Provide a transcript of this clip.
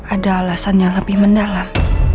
ada alasan yang lebih mendalam